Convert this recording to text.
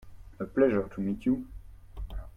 A pleasure to meet you.